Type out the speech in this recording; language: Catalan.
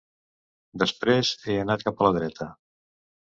Després, he anat cap a la dreta.